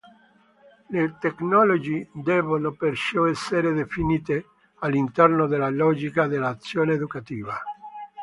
Le tecnologie debbono perciò essere definite all'interno della logica dell'azione educativa.